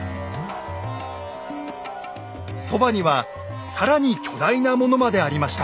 そばには更に巨大なものまでありました。